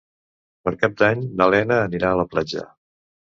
Per Cap d'Any na Lena anirà a la platja.